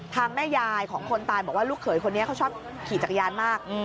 แม่ยายของคนตายบอกว่าลูกเขยคนนี้เขาชอบขี่จักรยานมาก